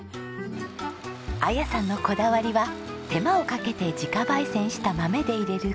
彩さんのこだわりは手間をかけて自家焙煎した豆で淹れるコーヒー。